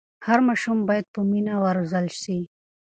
هر ماشوم باید په مینه وروزل سي.